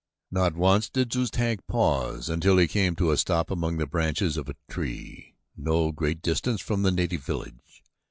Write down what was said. Not once did Zu tag pause until he came to a stop among the branches of a tree no great distance from the native village.